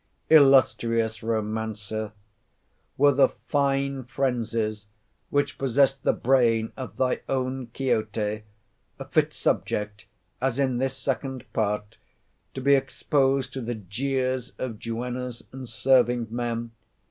Illustrious Romancer! were the "fine frenzies," which possessed the brain of thy own Quixote, a fit subject, as in this Second Part, to be exposed to the jeers of Duennas and Serving Men?